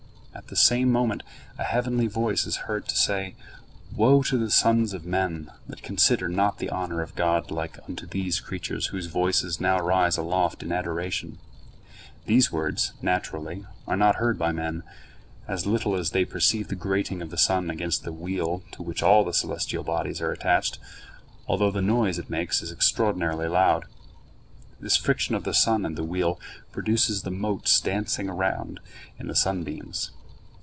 At the same moment a heavenly voice is heard to say, "Woe to the sons of men that consider not the honor of God like unto these creatures whose voices now rise aloft in adoration." These words, naturally, are not heard by men; as little as they perceive the grating of the sun against the wheel to which all the celestial bodies are attached, although the noise it makes is extraordinarily loud. This friction of the sun and the wheel produces the motes dancing about in the sunbeams.